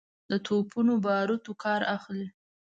د توپونو باروتو کار اخلي.